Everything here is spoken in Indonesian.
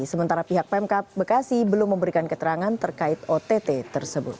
sementara pihak pemkap bekasi belum memberikan keterangan terkait ott tersebut